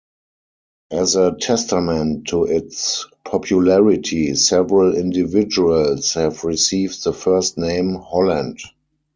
As a testament to its popularity, several individuals have received the first name "Holland".